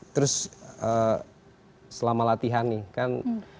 terus selama latihan nih kan